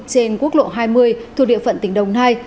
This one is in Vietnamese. trên quốc lộ hai mươi thuộc địa phận tỉnh đồng nai